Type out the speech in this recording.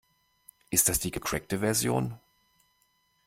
Ist das die gecrackte Version?